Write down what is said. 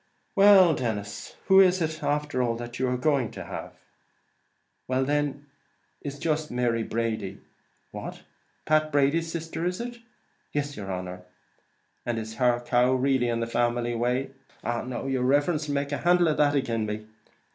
"Well, Denis; and who is it after all that you are going to have?" "Well, then, it's jist Mary Brady." "What! Pat Brady's sister is it?" "Iss, yer honer." "And is her cow really in the family way?" "Now yer riverence 'll make a handle of that agin me!"